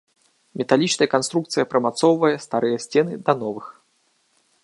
Металічная канструкцыя прымацоўвае старыя сцены да новых.